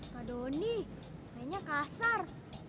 pak doni mainnya kasar